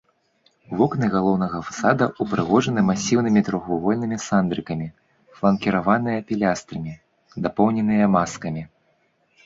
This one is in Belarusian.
Вокны галоўнага фасада ўпрыгожаны масіўнымі трохвугольнымі сандрыкамі, фланкіраваныя пілястрамі, дапоўненыя маскамі.